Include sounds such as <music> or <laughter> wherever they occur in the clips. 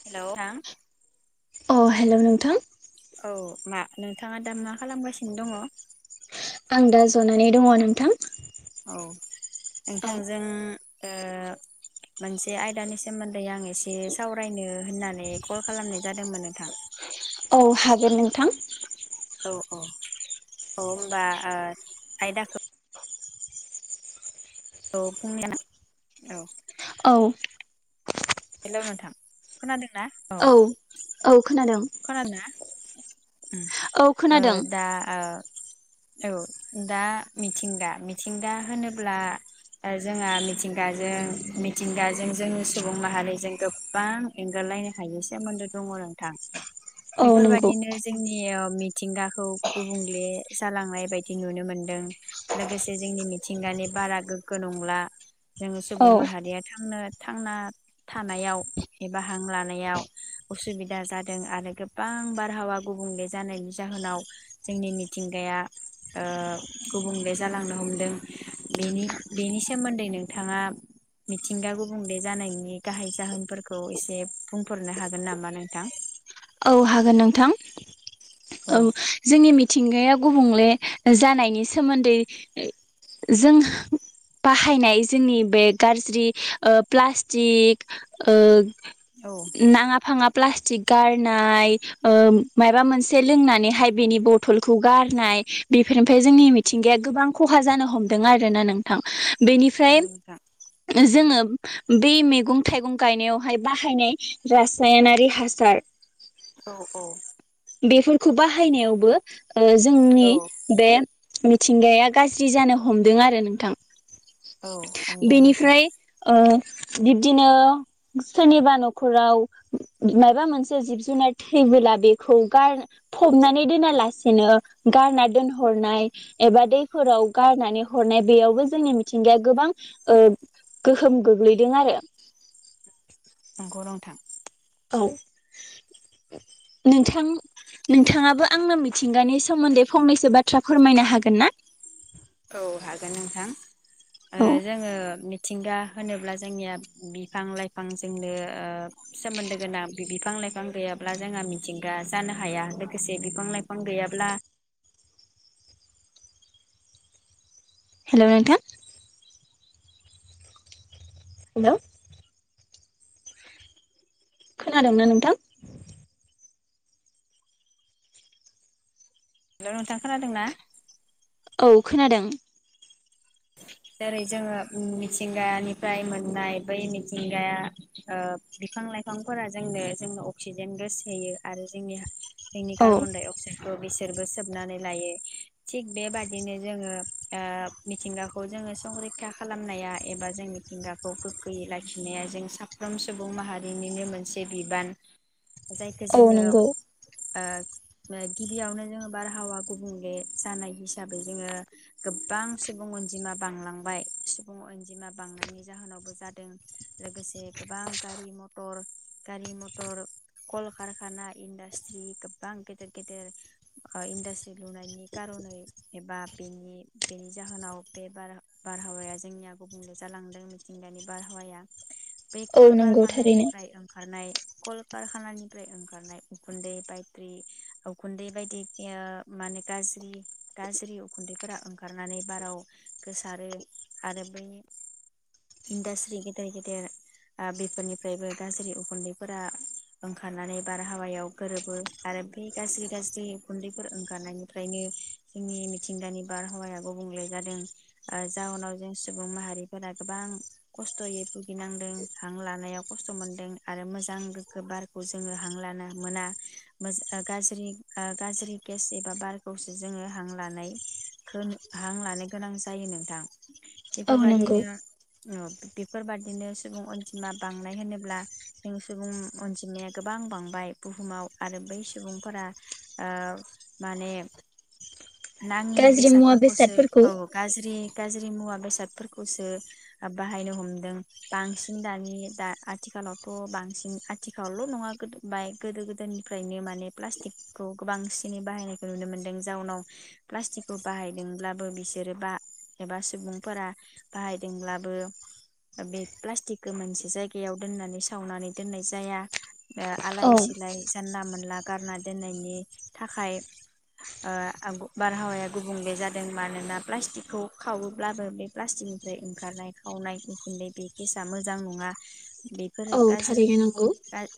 हेल थां अ हेल नोंथां औ मा नोंथाङा दा मा खालामगासिनो दङ? आं दा जनानै दङ नोंथां औ नोंथांजों ओ मोनसे आयदानि सोमोन्दै आं ए से सावरायनो होननानै कल खालामनाय जादोंमोन नोंथां। औ हागोन नोंथां अ अ अ होमबा ओ आयदाखो औ फुंनि <inaudible> औ औ हेल' नोंथां खोनादों औ औ खोनादों। खोनादो ना? उम औ ओ खोनादों दा ओ औ दा मिथिंगा मिथिंगा होनोब्ला ओ जोंहा मिथिंगाजों मिथिंगाजों जोंनि सुबुं माहारिजों गोबां एंगारलायनो हायै सोमोन्दो दङ नोंथां। औ नंगौ बेफोरबादिनो जों नि मिथिंगाखौ गुबुंले जालांनाय बायदि नुनो मोनदों लोगोसे जोंनि मिथिंगानि बारा गोग्गो नंला। जोङो औ सुबुं माहारिया थांनो थांना थानायाव एबा हां लानायाव उसुबिदा जादों आरो गोबां बारहावा गुबुंले जानायनि जाहोनाव जोंनि मिथिंगाया ओ गुबुंले जालांनो हमदों। बेनि बेनि सोमोन्दै नोंथाङा मिथिंगा गुबुंले जानायनि गाहाय जाहोनफोरखौ एसे बुंफोरनो हागोन नामा नोंथां? औ हागोन नोंथां। औ जोंनि मि थिंगाया गुबुंले जानायनि सोमोन्दै जों बाहायनाय जोंनि बे गाज्रि ओ प्लास्टि ओ औ नाङा फाङा प्लास्टिक गारना नाय ओ माइबा मोनसे लोंनानैहाय बेनि बथलखौ गारनाय बेफोरनिफ्राय जोंनि मिथिंगाया गोबां खहा जानो हमदों आरो ना नोंथां। औ बेनिफ्राय नोंथां जोङो बे मैगं, थाइगं गायनायावहाय बाहायनाय रासायनारि हासार। औ औ। बेफोरखौ बाहायनायावबो ओ औ जोंनि बे मिथिंगाया गाज्रि जानो हमदों आरो नोंथां। औ हमदों नोंथां बेनिफ्राय ओ बिब्दिनो सोरनिबा न'खराव माइबा मोनसे जिब जुनार थैबोला बेखौ गार फबनानै दोना लासेनो गारना दोनहरनाय एबा दैफोराव गारनानै हरनाय बेयावबो जोंनि मिथिंगाया गोबां ओ गोहोम गोग्लैदों आरो। नंगौ नोंथां औ नोंथां नोंथाङाबो आंनो मिथिंगानि सोमोन्दै फंनैसो बाथ्रा फोरमायनो हागोन ना? औ हागोन नोंथां। ओ औ जोङो मिथ थिंगा होनोब्ला जोंनिया बिफां, लाइफां जोंनो ओ सोमोन्दो गोनां। बिफां, लाइफां गैयाब्ला जोंहा मिथिंगा जानो हाया। लोगोसे बिफां, लाइफां गैयाब्ला हेल' नोंथां हेलौ खोनादोंना नोंथां? हेल' नोंथां खोनादों ना? औ खोनादों। जेरै जोङो मिथिंगानिफ्राय मोननाय बै मिथिंगाया ओ बिफां, लाइफांफोरा जोंनो जोंनो अक्सिजेन गोसोयो आरो जोंनि जोंनि औ कारबनडाय अकसाडखौ बेस सोरबो सोबनानै लायो। थिग बेबादिनो जोङो ओ मिथिंगा खौ जोङो संरैखा खालामनाया एबा जों मिथिंगाखौ गोगोयै लाखिनाया जों साफ्रोम सुबुं माहारिनिनो मोनसे बिबान। जायखौ औ जोङो नंगौ ओ गिबियावनो जोङो बारहावा गुबुंले जानाय हिसाबै जोङो गोबां सुबुं अनजिमा बांलांबाय, सुबुं अनजिमा बांनायनि जाहोनावबो जादों। लोगोसे गोबां गारि मथर गारि मथर, कलकारखाना, इन्डास्ट्रि गोबां गेदेर गेदेर ओ इन्डास्ट्रि लुनायनि खार'नै एबा बेनि बेनि जाहोनाव। बे बार बारहावाया जोंनिया गुबुंले जालांदों मिथिंगानि बारहावाया। बे औ कल नंगौ थारैनो कारखानानिफ्राय ओंखारनाय। कलकारखानानिफ्राय ओंखारनाय उखुन्दै, बायट्रि उखुन्दै बायदि ओ माने गाज्रि गाज्रि उखुन्दैफोरा ओंखारनानै बाराव गोसारो आरो बैनि इन्डास्ट्रि गेदेर गेदेर आ बेफोरनिफ्रायबो गाज्रि उखुन्दैफोरा ओंखारनानै बारहावायाव गोरोबो आरो बे गाज्रि गाज्रि उखुन्दैफोर ओंखारनायनिफ्रायनो जोंनि मिथिंगानि बारहावाया गुबुंले जादों। ओ जाउनाव जों सुबुं माहारिफोरा गोबां खस्थ'यै भुगिनांदों हां लानायाव खस्थ' मोनदों आरो मोजां गोगो बारखौ जोङो हां लाना मोना मोजां गाज्रि ओ गाज्रि गेस एबा बारखौसो जोङो हां लानायखौ हां लानो गोनां जायो नोंथां। औ नंगौ बेफोरबादिनो। ओ बेफोरबादिनो सुबुं अनजिमा बांनाय होनोब्ला जों सुबुं अनजिमाया गोबां बांबाय बुहुमाव आरो बै सुबुंफोरा ओ माने नाङि गाज्रि मुवा बेसादफोरखौसो बेसादफोरखौ औ गाज्रि। गाज्रि मुवा बेसादफोरखौसो बाहायनो हमदों बांसिन दानि दा आथिखालावथ' बांसिन आथिखालावल' नङा बाय गोदो गोदायनिफ्रायनो माने प्लास्टिकखौ गो बांसिनै बाहायनायखौ नुनो मोन्दों जाउनाव प्लास्टिकखौ बाहायदोंब्लाबो बिसोर बा एबा सुबुंफोरा बाहायदोंब्लाबो बे प्लास्टिकखौ मोनसे जायगायाव दोननानै सावनानै दोननाय जाया आलाय औ सिलाय जानला मोनला गारना दोननायनि थाखाय ओ <unintelligible> बारहावाया गुबुंले जादों मानोना प्लास्टिकखौ खावोब्लाबो बे प्लास्टिकनिफ्राय ओंखारनाय खावनाय उखुन्दै बे गेसआ मोजां नङा बे बेफोर औ गाज्रि थारैनो नंगौ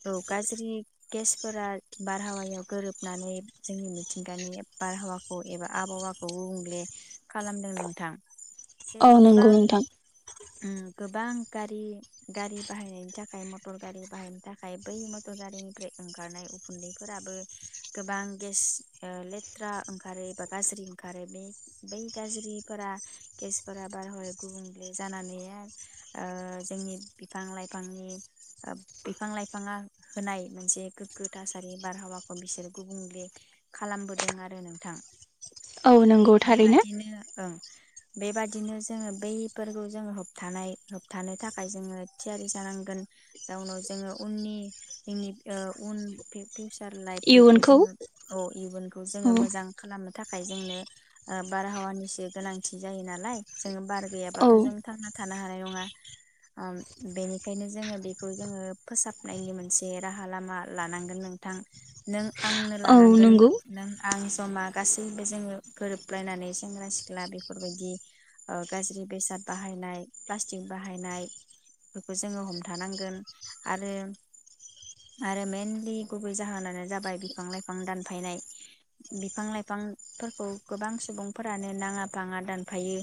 औ। गाज्रि गेसफोरा बारहावायाव गोरोबनानै जोंनि मिथिंगानि बारहावा खौ एबा आबहावाखौ गुबुंले खालामदों नोंथां। औ जेरै गोबां नंगौ नोंथां उम गोबां गारि गारि बाहायनायनि थाखाय मटर गारि बाहायनो थाखाय बै मटर गारिनिफ्राय ओंखारनाय उखुन्दैफोराबो गोबां गेस ओ लेथ्रा ओंखारो बा गाज्रि ओंखारो बे बै गाज्रिफोरा गेसफोरा बारहावाया गुबुंले जानानै ओ जोंनि बिफां लाइफांनि बिफां लाइफाङा होनाय मोनसे गोग्गो थासारि बारहावाखौ बिसोरो गुबुंले खालामबोदों आरो नों थां। औ नंगौ थारैनो। ओं बेबादिनो जोङो बैफोरखौ जोङो होबथानाय होबथानो थाखाय जोङो थियारि जानांगोन जाउनाव जोङो उननि जोंनि ओ उन फिउसार लाइफ बेखौ इयुनखौ जोङो अ इयुनखौ जोङो औ मोजां। नो थाखाय जोंनो ओ बारहावा निसो गोनांथि जायो नालाइ जोंङो बार औ गैयाबाथ जों थांना थानो हानाय नङा ओ बेनिखायनो जोङो बेखौ जोङो फोसाबनायनि मोनसे राहा लामा लानांगोन नोंथां नों आंनो औ लानांगोन नंगौ नों आं समा गासैबो जोङो गोरोबलायनानै सेंग्रा सिख्ला बेफोरबायदि ओ गाज्रि बेसाद बाहायनाय प्लास्टिक बाहायनायफोरखौ जोङो हमथानांगोन आरो आरो मेइनलि गुबै जाहोनानो जाबाय बिफां लाइफां दानफायनाय बिफां लाइ फांफोरखौ गोबां सुबुंफोरानो नाङा फाङा दानफायो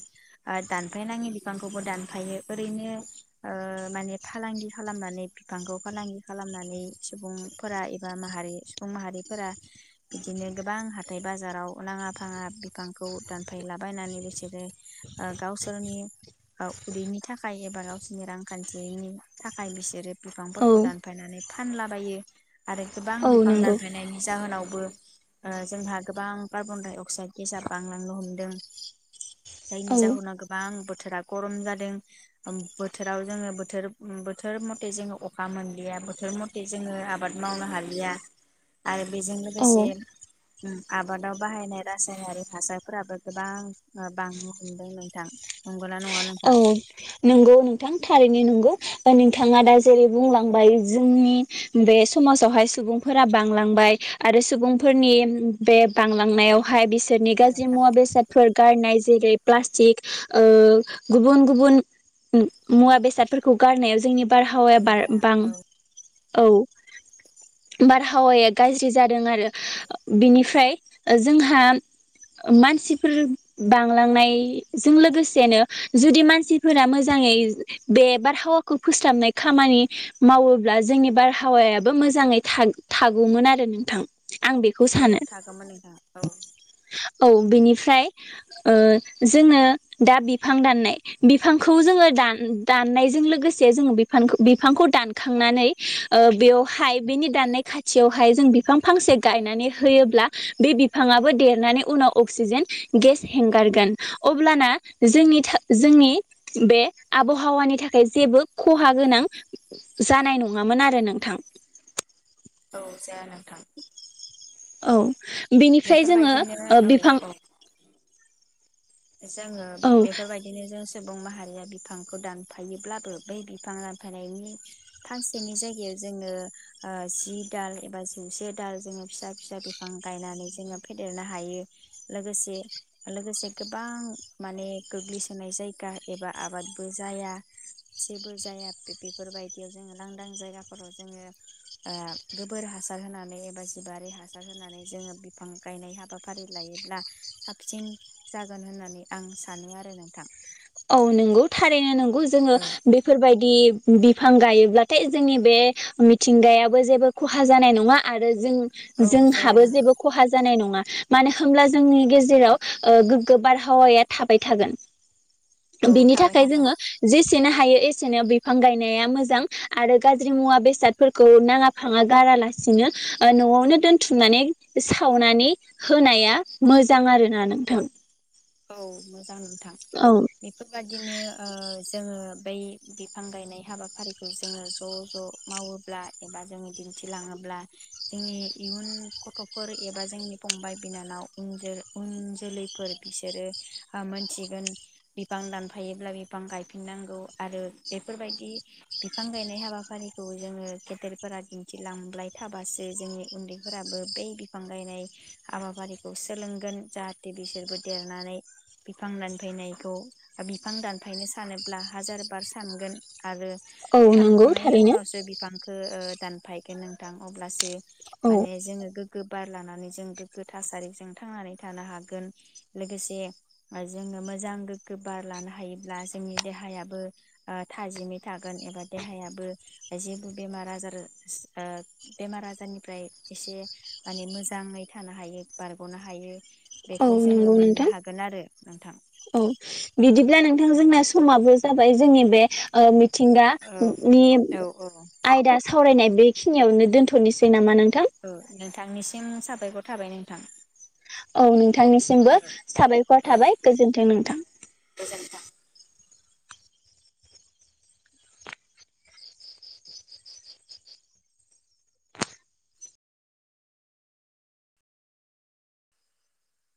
दानफाय नाङि बिफांखौबो दानफायो ओरैनो ओ माने फालांगि खालामनानै बिफांखौ फालांगि खालामनानै सुबुंफोरा एबा माहारि सुबुं माहारिफोरा बिदिनो गोबां हाथाय। बाजाराव लााङा फाङा बिफांखौ दानफायलाबायनानै बिसोरो ओ गावसोरनि ओ उदैनि थाखाय एबा गावसोरनि रांखान्थिनि थाखाय बिसोरो औ बिफांफोरखौ दानफायनानै फानलाबायो आरो गोबां औ बिफां नंगौ दानफायनायनि जाहोनाव। बो ओ जोंहा। गोबां कार्बन डाइ अक्साइद गेस आ बांलांनो हमदों जायनि औ जाहोनाव गोबां बोथोरा गरम जादों बोथोराव जोङो बोथोर बोथोर मथे जोङो अखा मोनलिया बोथोर मथे जोङो आबाद मावनो हालिया आरो बेजों औ लोगोसे। आबादाव बाहायनाय रासायनारि हासारफोराबो गोबां बांनो हमदों नोंथां नंगौना नङा नोंथां? नंगौ नोंथां थारैनो नंगौ नोंथाङा दा जेरै बुंलांबाय जोंनि बे समाजावहाय सुबुंफोरा बांलांबाय आरो सुबुंफोरनि बे बांलांनायावहाय बि नि गाज्रि मुवा बेसादफोर गारनाय। जेरै प्लास्टिक ओ गुबुन-गुबुन मुवा बेसादफोरखौ गारनायाव जोंनि बारहावाया बार गारनायफोरा बां औ औ बारहावाया गाज्रि जाद दों आरो बिनिफ्राय जोंहा मानसिफोर बांलांनायजों लोगोसेनो जुदि मानसि फोरा मोजाङै बे बारहावाखौ फोस्लाबनाय खामानि मावोब्ला जोंनि बारहावायाबो मोजाङै थाग थागौमोन आरो नोंथां आं बेखौ औ सानो थागौमोन नोंथां औ औ बिनिफ्राय ओ जोङो दा बिफां दाननाय बिफांखौ जोङो दान दाननायजों लोगोसे जोङो बिफां बिफांखौ दानखांनानै ओ बेयावहाय बेनि दाननाय खाथियावहाय जों बिफां फांसे गायनानै होयोब्ला बे बिफाङाबो देरनानै उनाव अक्सिजेन गेस हेंगारगोन अब्लाना जोंनि थो जोंनि बे आबहावानि थाखाय जेबो खहा गोनां जानाय नङामोन आरो नोंथां औ जानो थां औ बिनिफ्राय जोङो बिफां औ औ जोङो औ बेफोरबायदिनो जों सुबुं माहारिया बिफांखौ दानफायोब्लाबो बै बिफां दानफायनायनि फानसेनि जायगायाव जोङो जि दाल एबा जौसे दाल जोङो फिसा फिसा बिफां गायनानै जोङो फेदेरनो हायो लोगोसे-लोगोसे गोबां माने गोग्लैसोनाय जायगा एबा आबादबो जाया जेबो जाया बेफोरबायदियाव जोङो लांदां जायगाफोराव जोङो ओ गोबोर हासार होनानै एबा जिबारि हासार होनानै जोङो बिफां गायनाय हाबाफारि लायोब्ला साबसिन जागोन होननानै आं सानो आरो नोंथां औ नंगौ थारैनो नों <unintelligible> जोङो औ बेफोरबायदि बिफां गायोब्लाथाय जोंनि बे मिथिंगायाबो जेबो खहा जानाय नङा आरो जों जाया जोंहाबो नोंथां जेबो खहा जानाय नङा मानो होमब्ला जोंनि गेजेराव ओ गोग्गो बारहावाया थाबाय थागोन। औ बिनि थाबाय थाखाय थागोन जोङो जेसेनो हा थायो एसेनो बिफां गायनाया मोजां आरो गाज्रि मुवा बेसादफोरखौ नाङा फाङा गारालासिनो ओ न'आवनो दोनथुमनानै सावनानै होनाया मोजां आरोना नोंथां। औ मोजां थां औ बेफोरबदिनो ओ जोङो बै बिफां गायनाय हाबाफारिखौ जोङो ज' ज मावोब्ला एबा जोङो दिन्थिलाङोब्ला जोंनि इयुन गथ'फोर एबा जोंनि फंबाय बिनानाव उन जो जोलैफोर बिसोरो मोनथिगोन बिफां दानफायोब्ला बिफां गायफिननांगौ आरो बेफोरबायदि बिफां गायनाय हाबाफारिखौ जोङो गेदेरफोरा दिन्थिलांबाय थाबासो जोंनि उन्दैफोराबो बै बिफां गायनाय हाबाफारिखौ सोलोंगोन जाहाथे बिसोरबो देरनानै बिफां दानफायनायखौ बिफां दानफायनो सानोब्ला हाजार बार सानगोन आरो औ नंगौ सानखांनायनि थारैनो उनावसो बिफांखो ओ दान फायगोन नोंथां अब्लासो औ माने जोङो गोगो बार लानानै जों गोग्गो थासारिजों थांनानै थानो हागोन लोगोसे जोङो मोजां गोग्गो बार लानो हायोब्ला जोंनि देहायाबो ओ थाजिमै थागोन एबा देहायाबो जेबो बेमार आजार ओ बेमार आजारनिफ्राय एसे माने मोजाङै थानो हायो बारग'नो हायो। बेखौ औ जोङो मोननो नोंथां हागोन आरो नोंथां। औ बिदिब्ला नोंथां जोंना समाबो जाबाय जोंनि बे ओ औ मिथिंगानि औ आयदा सावरायनाय बेखिनियावनो दोनथ'नोसै नामा नों औ नों थांनिसिम साबायखर थाबाय नोंथां। औ नोंथांनिसिमबो औ साबायखर औ थाबाय गोजोन्थों नोंथां। <inaudible>